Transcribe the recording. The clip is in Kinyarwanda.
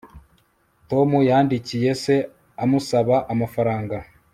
tom yandikiye se amusaba amafaranga